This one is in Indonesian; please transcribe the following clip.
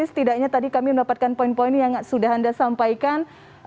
setidaknya tadi kami mendapatkan poin poin yang sudah anda sampaikan